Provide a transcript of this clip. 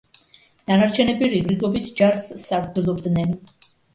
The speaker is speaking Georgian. დანარჩენები რიგრიგობით ჯარს სარდლობდნენ.